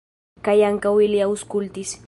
Kaj ankaŭ ili aŭskultis.